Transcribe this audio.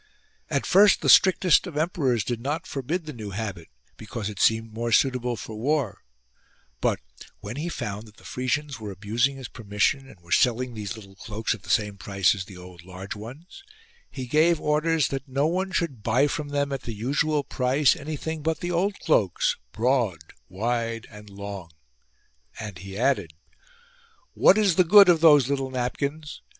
At first the strictest of emperors did not forbid the new habit, because it seemed more suitable for war : but, when he found that the Frisians were abusing 103 THE MONK'S AUTHORITIES his permission, and were selling these little cloaks at the same price as the old large ones, he gave orders that no one should buy from them, at the usual price, anything but the old cloaks, broad, wide and long : and he added :" What is the good of those little napkins